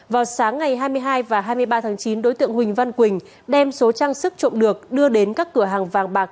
vào sáng ngày hai mươi hai và hai mươi ba tháng chín đối tượng huỳnh văn quỳnh đem số trang sức trộm được đưa đến các cửa hàng vàng bạc